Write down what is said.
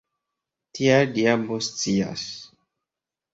Tial diablo scias!